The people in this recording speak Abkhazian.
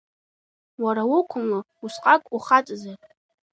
Уара уқәымло, усҟак ухаҵазар!